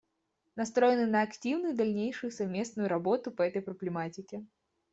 Настроены на активную дальнейшую совместную работу по этой проблематике.